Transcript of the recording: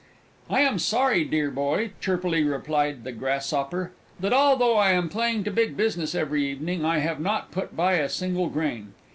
"I am sorry, dear boy," chirpily replied the Grasshopper, "that, although I am playing to big business every evening, I have not put by a single grain.